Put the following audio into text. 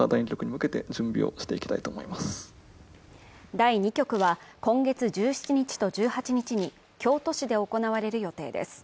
第２局は今月１７日と１８日に京都市で行われる予定です。